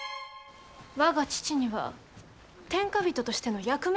我が父には天下人としての役目があるのです。